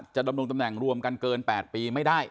ดำรงตำแหน่งรวมกันเกิน๘ปีไม่ได้